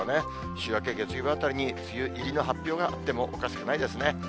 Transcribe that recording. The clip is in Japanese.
週明け月曜日あたりに梅雨入りの発表があってもおかしくないですね。